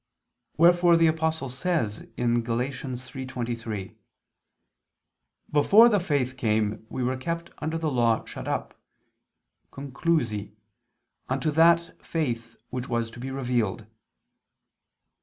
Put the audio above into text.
Wherefore the Apostle says (Gal. 3:23): "Before the faith came, we were kept under the law shut up (conclusi), unto that faith which was to be revealed."